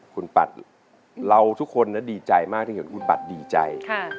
คุณปัดเราทุกคนดีใจมากที่เห็นคุณปัดดีใจ